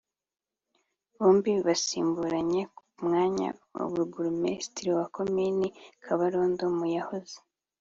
bombi basimburanye ku mwanya wa Burugumesitirir wa Komini Kabarondo mu yahoze